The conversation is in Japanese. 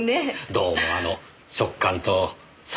どうもあの食感と酸味が。